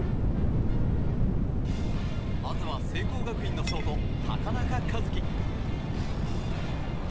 まずは聖光学院のショート高中一樹。